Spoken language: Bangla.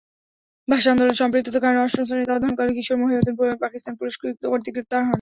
ভাষা আন্দোলনে সম্পৃক্ততার কারণে অষ্টম শ্রেণিতে অধ্যয়নকালে কিশোর মহিউদ্দিন পাকিস্তান পুলিশ কর্তৃক গ্রেপ্তার হন।